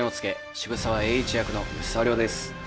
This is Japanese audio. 渋沢栄一役の吉沢亮です。